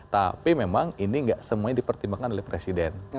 tapi memang ini tidak semuanya dipertimbangkan oleh presiden